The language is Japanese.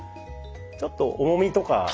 ちょっと重みとか。